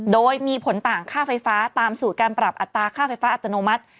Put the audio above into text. โดยมีผลต่างค่าไฟฟ้าตามสูตรการปรับอัตราค่าไฟฟ้าอัตโนมัติ